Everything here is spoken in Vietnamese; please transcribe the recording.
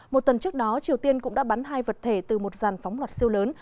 một tuần trước đó triều tiên cũng đã bắn hai vật thể từ một dàn phóng loạt siêu lớn